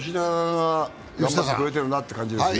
吉田が超えてるなという感じですね。